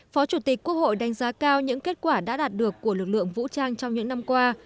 phó chủ tịch quốc hội đánh giá cao những kết quả đã đạt được của lực lượng vũ trang trong những năm qua